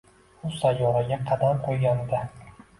U sayyoraga qadam qo‘yganida